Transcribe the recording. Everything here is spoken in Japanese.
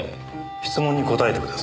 質問に答えてください。